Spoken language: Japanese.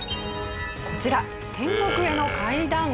こちら天国への階段。